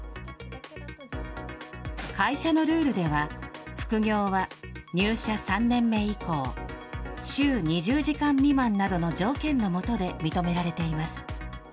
会社のルールでは、副業は入社３年目以降、週２０時間未満などの条件の下で認められています。